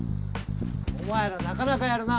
お前らなかなかやるな。